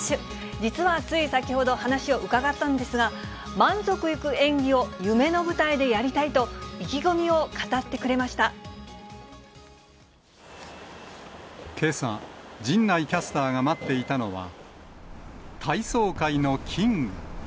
実はつい先ほど、話を伺ったんですが、満足いく演技を夢の舞台でやりたいと、意気込みを語っけさ、陣内キャスターが待っていたのは、体操界のキング。